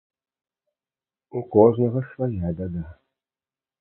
У кожнага свая бяда.